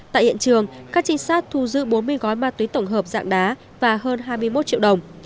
tại hiện trường các trinh sát thu giữ bốn mươi gói ma túy tổng hợp dạng đá và hơn hai mươi một triệu đồng